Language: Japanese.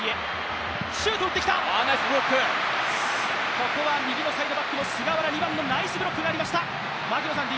ここは右のサイドバック、菅原のナイスブロックがありました。